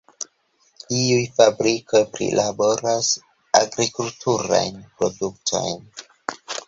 Iuj fabrikoj prilaboras agrikulturajn produktojn.